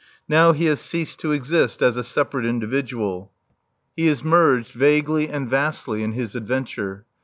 Now he has ceased to exist as a separate individual. He is merged, vaguely and vastly, in his adventure.